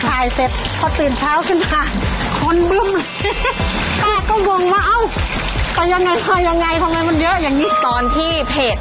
ถ่ายเสร็จพอตื่นเช้าขึ้นมาคอนบื่ม